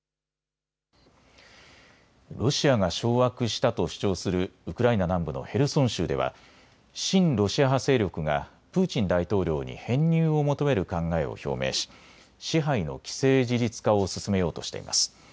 ロシアが掌握したと主張するウクライナ南部のヘルソン州では親ロシア派勢力がプーチン大統領に編入を求める考えを表明し支配の既成事実化を進めようとしています。